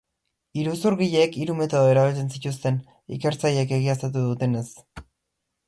Iruzurgileek hiru metodo erabiltzen zituzten, ikertzaileek egiaztatu dutenez.